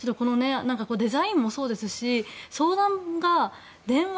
デザインもそうですし相談が、電話？